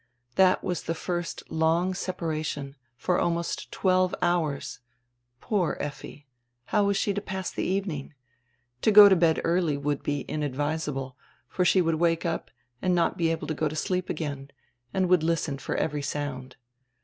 That was die first long separation, for almost twelve hours. Poor Effi! How was she to pass die evening? To go to bed early would be inadvisable, for she would wake up and not be able to go to sleep again, and would listen for every sound.